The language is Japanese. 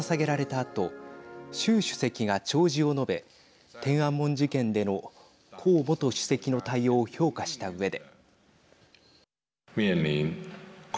あと習主席が弔辞を述べ天安門事件での江元主席の対応を評価したうえで。